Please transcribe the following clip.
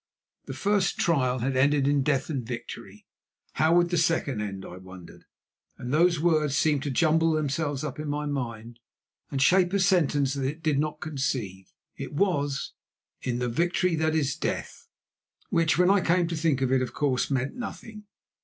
The first trial had ended in death and victory. How would the second end? I wondered, and those words seemed to jumble themselves up in my mind and shape a sentence that it did not conceive. It was: "In the victory that is death," which, when I came to think of it, of course, meant nothing.